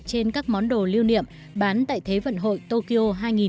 trên các món đồ lưu niệm bán tại thế vận hội tokyo hai nghìn hai mươi